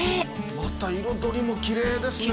また彩りもきれいですね！